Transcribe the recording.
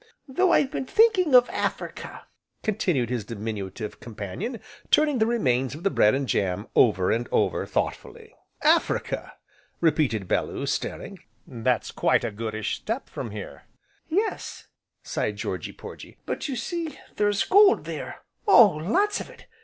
"Though I've been thinking of Africa," continued his diminutive companion, turning the remain of the bread and jam over and over thoughtfully. "Africa!" repeated Bellew, staring, "that's quite a goodish step from here." "Yes," sighed Georgy Porgy, "but, you see, there's gold there, oh, lots of it!